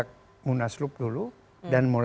kemudian untuk as p accordingly an iter ini